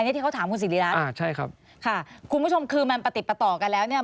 อันนี้ที่เขาถามคุณศิริรักษ์อ่าใช่ครับค่ะคุณผู้ชมคือมันประติดประต่อกันแล้วเนี่ย